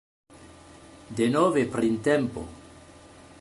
Denove printempo!..